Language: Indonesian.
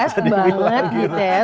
dan di ss banget gitu ya